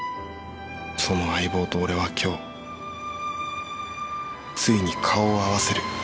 その相棒と俺は今日ついに顔を合わせる。